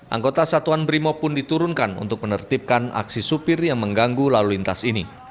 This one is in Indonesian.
angkota satuan brimob pun diturunkan untuk menertibkan aksi sopir yang mengganggu lalu lintas ini